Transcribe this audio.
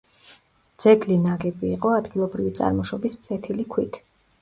ძეგლი ნაგები იყო ადგილობრივი წარმოშობის ფლეთილი ქვით.